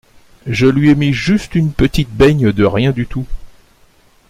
Je lui ai mis juste une petite beigne de rien du tout.